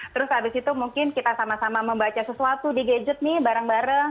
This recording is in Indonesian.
terus habis itu mungkin kita sama sama membaca sesuatu di gadget nih bareng bareng